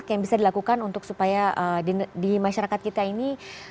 apa yang bisa dilakukan untuk supaya di masyarakat kita ini